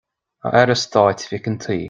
A Aire Stáit Mhic an tSaoí,